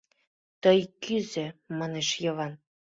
— Тый кӱзӧ, — манеш Йыван.